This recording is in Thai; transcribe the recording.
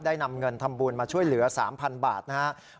นำเงินทำบุญมาช่วยเหลือ๓๐๐๐บาทนะครับ